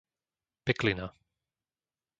Peklina